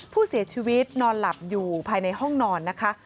ผู้เสียชีวิตนอนหลับอยู่ภายในห้องนอนนะคะ